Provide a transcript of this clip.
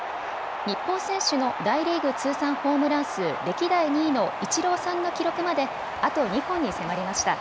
日本選手の大リーグ通算ホームラン数歴代２位のイチローさんの記録まであと２本に迫りました。